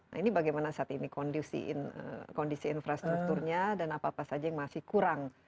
nah ini bagaimana saat ini kondisi infrastrukturnya dan apa apa saja yang masih kurang